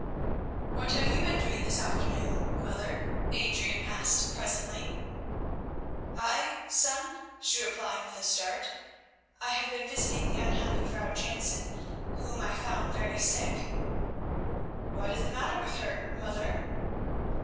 "What have you been doing this afternoon, mother?" Adrian asked presently. "I, son?" she replied with a start, "I have been visiting the unhappy Vrouw Jansen, whom I found very sick." "What is the matter with her, mother?"